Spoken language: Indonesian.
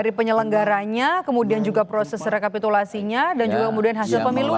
dari penyelenggaranya kemudian juga proses rekapitulasinya dan juga kemudian hasil pemilunya